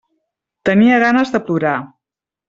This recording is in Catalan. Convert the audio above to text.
Tenia ganes de plorar.